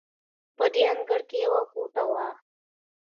په دې انګړ کې یوه کوټه وه.